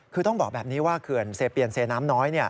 คือต้องบอกแบบนี้ว่าเขื่อนเซเปียนเซน้ำน้อย